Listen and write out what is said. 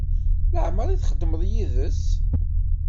Leɛmeṛ i txedmeḍ yid-s?